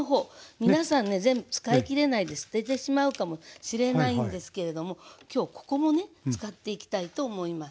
皆さんね全部使い切れないで捨ててしまうかもしれないんですけれども今日ここもね使っていきたいと思います。